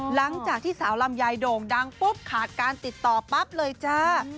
หลังจากที่สาวลำไยโด่งดังปุ๊บขาดการติดต่อปั๊บเลยจ้า